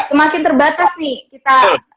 semakin terbatas nih kita